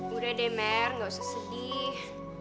udah deh mer gak usah sedih